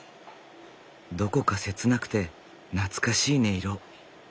どこか切なくて懐かしい音色。